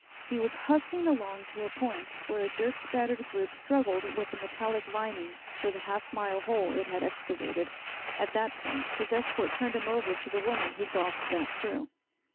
He was hustling along to a point where a dirt spattered group struggled with a metallic lining for the half mile hole it had excavated. At that point his escort turned him over to the woman who bossed that crew.